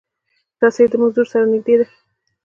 رسۍ د مزدور سره نږدې ده.